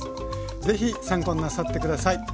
ぜひ参考になさって下さい。